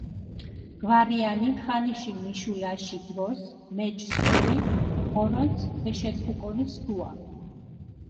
გვარიანი ხანიში მიშულაში დროს, მეჩჷ სრუვილქ, ღორონს ქეშეთხუკონი სქუა.